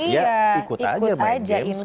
ya ikut aja main game